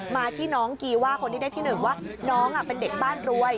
มาที่น้องกีว่าคนที่ได้ที่๑ว่าน้องเป็นเด็กบ้านรวย